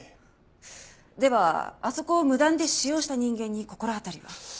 ではあそこを無断で使用した人間に心当たりは？